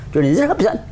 cho nên rất hấp dẫn